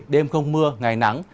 đêm không mưa ngày nắng